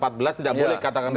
tidak boleh katakan empat belas